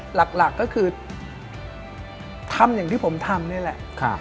หลักก็คือทำอย่างที่ผมทำนี่แหละ